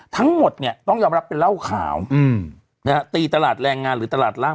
ทั้งหมดเนี่ยต้องยอมรับเป็นเหล้าขาวนะฮะตีตลาดแรงงานหรือตลาดร่าง